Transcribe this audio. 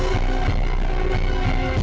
amirah bangun mir